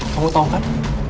kamu tahu kan